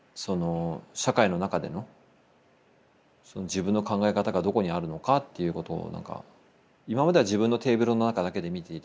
社会の中での自分の考え方がどこにあるのかっていうことを今までは自分のテーブルの中だけで見ていたのが